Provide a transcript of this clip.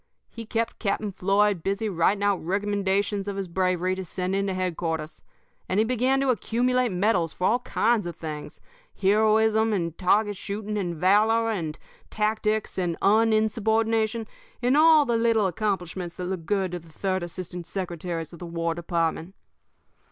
He kept Captain Floyd busy writing out recommendations of his bravery to send in to headquarters; and he began to accumulate medals for all kinds of things heroism and target shooting and valor and tactics and uninsubordination, and all the little accomplishments that look good to the third assistant secretaries of the War Department.